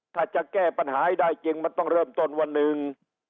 ถ้าจะแก้ปัญหาให้ได้จริงมันต้องเริ่มต้นวันหนึ่ง